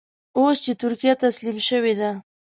اوس چې ترکیه تسلیم شوې ده.